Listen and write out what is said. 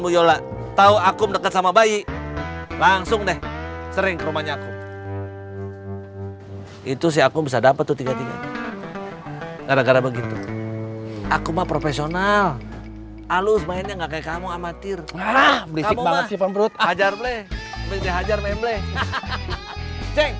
jangan dihajar mbak